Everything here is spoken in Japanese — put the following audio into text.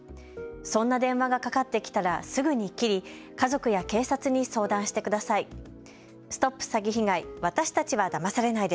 そんな電話がかかってきたらすぐに切り家族や警察に相談してください。